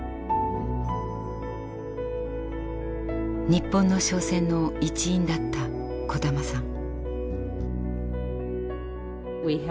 日本の商船の一員だった小玉さん。